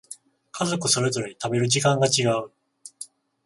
家族それぞれ食べる時間が違う